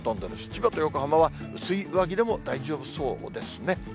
千葉と横浜は薄い上着でも大丈夫そうですね。